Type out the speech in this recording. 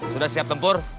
sudah siap tempur